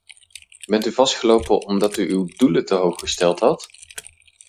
Bent u vastgelopen omdat u uw doelen te hoog gesteld had?